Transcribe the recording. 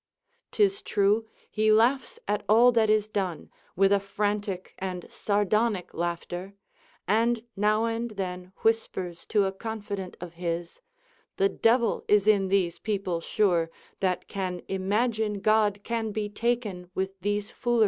'Tis true, he laughs at all that is done, with a frantic and sardonic laughter, and now and then whispers to a confidant of his. The devil is in these people sure, that can imagine God can be taken Λvith these foole * Hesiod, Works and Days, 463. t See II.